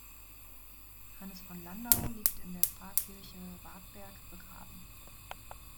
Hannes von Landau liegt in der Pfarrkirche Wartberg begraben.